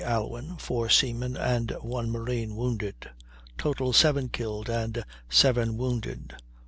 Alwyn, four seamen, and one marine, wounded. Total, seven killed and seven wounded.